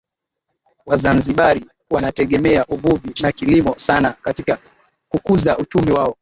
Wazanzibari wanategemea uvuvi na kilimo sana katika kukuza uchumi wao